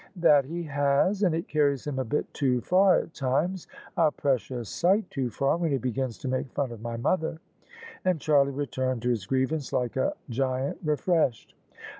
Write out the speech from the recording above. " That he has ; and it carries him a bit too far at times ; a precious sight too far, when he begins to make fun of my mother." And Charlie returned to his grievance like a giant refreshed.